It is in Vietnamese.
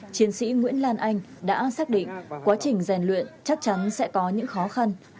chiến sĩ nguyễn lan anh đã xác định quá trình rèn luyện chắc chắn sẽ có những khó khăn